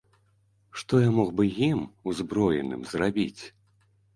Што я мог бы ім, узброеным, зрабіць?